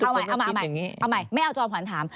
เอาใหม่เอาใหม่ไม่เอาจอขวานถาม